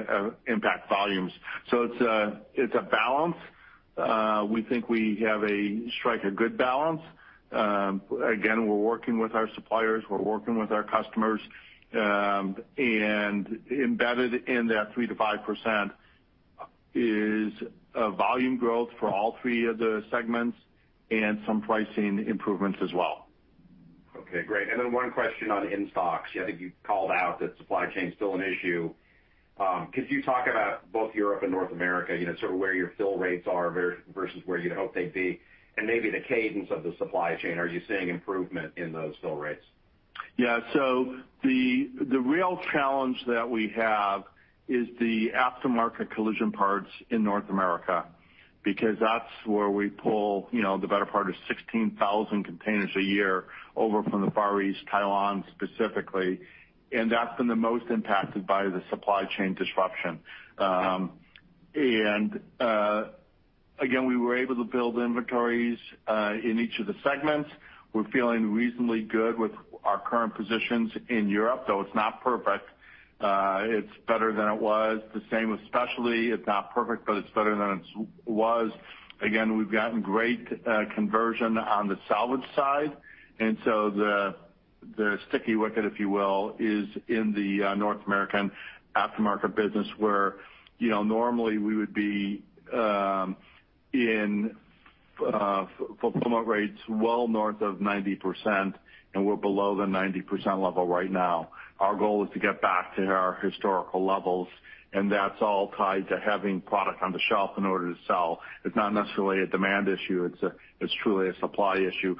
impact volumes. It's a balance. We think we strike a good balance. Again, we're working with our suppliers, we're working with our customers. Embedded in that 3%-5% is volume growth for all three of the segments and some pricing improvements as well. Okay, great. One question on in-stocks. Yeah, I think you called out that supply chain is still an issue. Could you talk about both Europe and North America, you know, sort of where your fill rates are versus where you'd hope they'd be and maybe the cadence of the supply chain? Are you seeing improvement in those fill rates? Yeah. The real challenge that we have is the aftermarket collision parts in North America, because that's where we pull, you know, the better part of 16,000 containers a year over from the Far East, Thailand specifically. That's been the most impacted by the supply chain disruption. Again, we were able to build inventories in each of the segments. We're feeling reasonably good with our current positions in Europe, though it's not perfect. It's better than it was. The same with Specialty. It's not perfect, but it's better than it was. Again, we've gotten great conversion on the salvage side, and so the sticky wicket, if you will, is in the North American aftermarket business where, you know, normally we would be in fulfillment rates well north of 90%, and we're below the 90% level right now. Our goal is to get back to our historical levels, and that's all tied to having product on the shelf in order to sell. It's not necessarily a demand issue, it's truly a supply issue.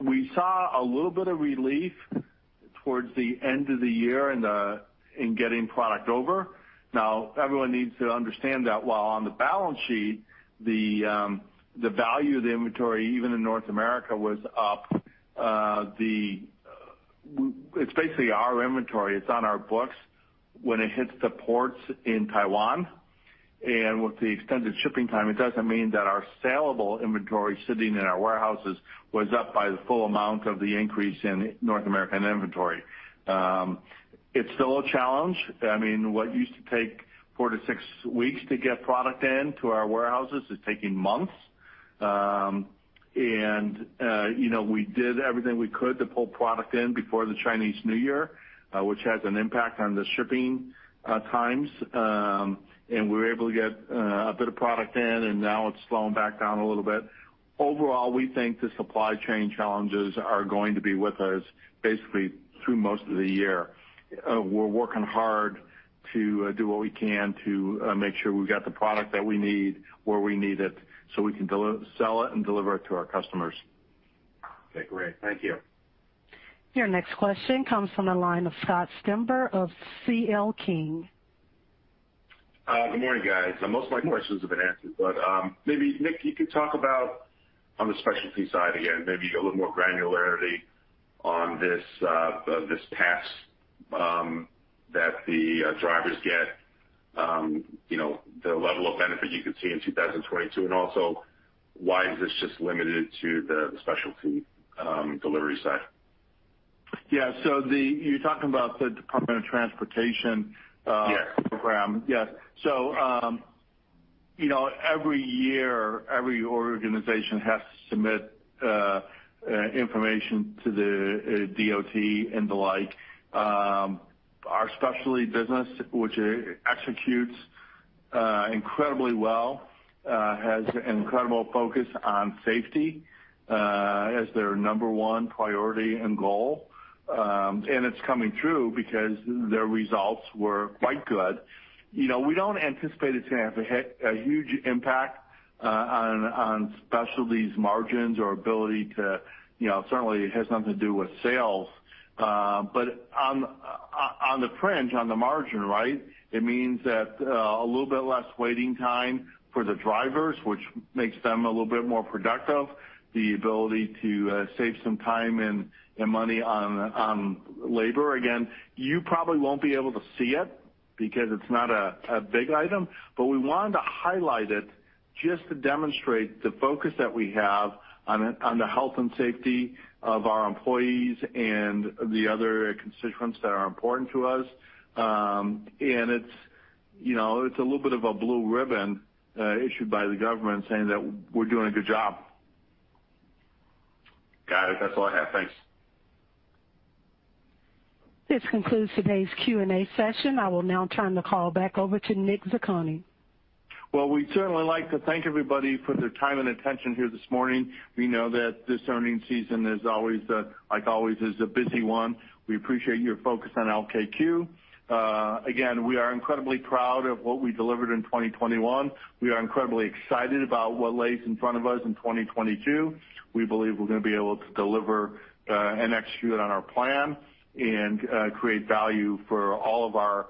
We saw a little bit of relief towards the end of the year in getting product over. Now, everyone needs to understand that while on the balance sheet, the value of the inventory, even in North America, was up. It's basically our inventory. It's on our books when it hits the ports in Taiwan. With the extended shipping time, it doesn't mean that our sellable inventory sitting in our warehouses was up by the full amount of the increase in North American inventory. It's still a challenge. I mean, what used to take four to six weeks to get product into our warehouses is taking months. You know, we did everything we could to pull product in before the Chinese New Year, which has an impact on the shipping times. We were able to get a bit of product in, and now it's slowing back down a little bit. Overall, we think the supply chain challenges are going to be with us basically through most of the year. We're working hard to do what we can to make sure we've got the product that we need where we need it, so we can sell it and deliver it to our customers. Okay, great. Thank you. Your next question comes from the line of Scott Stember of C.L. King. Good morning, guys. Most of my questions have been answered, but maybe, Nick, you could talk about on the Specialty side again, maybe a little more granularity on this PrePass that the drivers get, you know, the level of benefit you could see in 2022. Also, why is this just limited to the Specialty delivery side? Yeah. You're talking about the Department of Transportation. Yes. program? Yes. You know, every year, every organization has to submit information to the DOT and the like. Our Specialty business, which executes incredibly well, has incredible focus on safety as their number one priority and goal. It's coming through because their results were quite good. You know, we don't anticipate it's gonna have a huge impact on Specialty's margins or ability to. You know, certainly it has nothing to do with sales. On the fringe, on the margin, right, it means that a little bit less waiting time for the drivers, which makes them a little bit more productive, the ability to save some time and money on labor. Again, you probably won't be able to see it because it's not a big item. We wanted to highlight it just to demonstrate the focus that we have on the health and safety of our employees and the other constituents that are important to us. It's, you know, a little bit of a blue ribbon issued by the government saying that we're doing a good job. Got it. That's all I have. Thanks. This concludes today's Q&A session. I will now turn the call back over to Nick Zarcone. Well, we'd certainly like to thank everybody for their time and attention here this morning. We know that this earnings season is always, like always, a busy one. We appreciate your focus on LKQ. Again, we are incredibly proud of what we delivered in 2021. We are incredibly excited about what lays in front of us in 2022. We believe we're gonna be able to deliver and execute on our plan and create value for all of our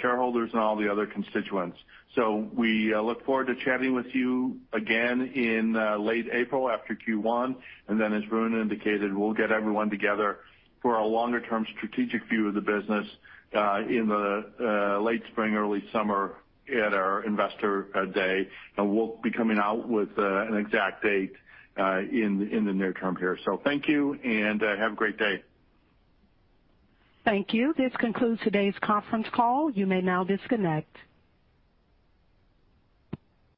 shareholders and all the other constituents. We look forward to chatting with you again in late April after Q1. As Varun indicated, we'll get everyone together for a longer term strategic view of the business in the late spring, early summer at our Investor Day. We'll be coming out with an exact date in the near term here. Thank you, and have a great day. Thank you. This concludes today's conference call. You may now disconnect.